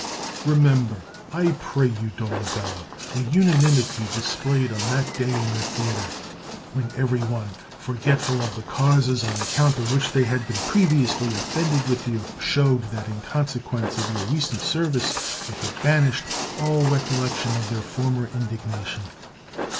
Remember, I pray you, Dolabella, the unanimity displayed on that day in the theater, when every one, forgetful of the causes on account of which they had been previ ously offended with you, showed that in conse quence of your recent service they had banished all recollection of their former indignation.